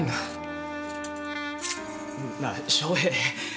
なあ翔平。